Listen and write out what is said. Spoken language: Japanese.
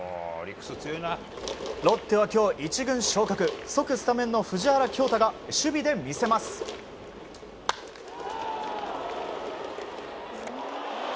ロッテは今日１軍昇格、即スタメンの藤原恭大が守備で魅せます。